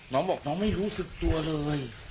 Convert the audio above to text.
น้องบอกน้องไม่รู้สึกตัวเลย